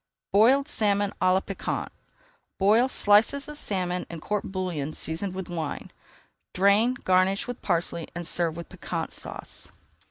BOILED SALMON À LA PIQUANT Boil slices of salmon in court bouillon seasoned with wine. Drain, garnish with parsley, and serve with Piquant Sauce.